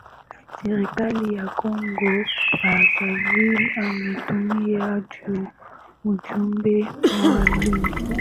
serikali ya congo brazaville ametuma ujumbe maalum